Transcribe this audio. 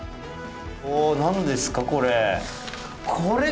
何ですか、これ。